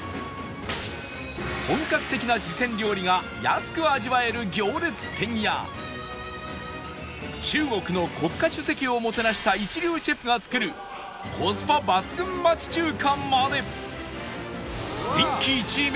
本格的な四川料理が安く味わえる行列店や中国の国家主席をもてなした一流シェフが作るコスパ抜群町中華まで